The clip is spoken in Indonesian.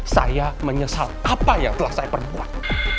saya menyesal apa yang telah saya perbuat